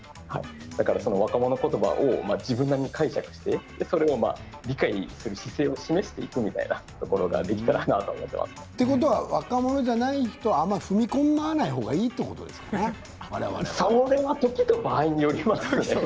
だから若者言葉を自分なりに解釈してそれを理解する姿勢を示していくみたいなところができたらいいなと。ということは若者じゃない人はあまり踏み込まない方がいいということですね、我々は。それは時と場合もありますね。